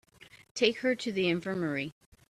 Take her to the infirmary.